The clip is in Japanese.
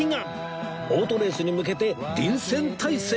オートレースに向けて臨戦態勢